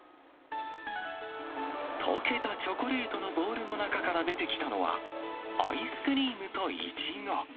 溶けたチョコレートのボールの中から出てきたのは、アイスクリームといちご。